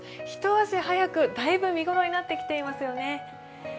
一足早くだいぶ見頃になってきていますよね。